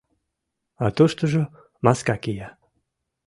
А туштыжо маска кия.